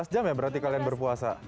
lima belas jam ya berarti kalian berpuasa